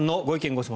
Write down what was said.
・ご質問